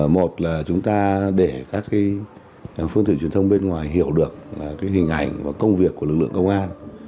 một là chúng ta để các phương tiện truyền thông bên ngoài hiểu được hình ảnh và công việc của lực lượng công an